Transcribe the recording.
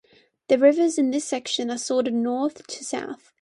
The rivers in this section are sorted north to south.